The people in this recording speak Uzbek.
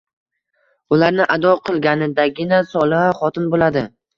Ularni ado qilganidagina soliha xotin bo‘ladi.